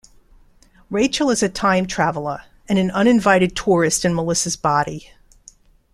Rachael is a time traveler - and an uninvited tourist in Melissa's body.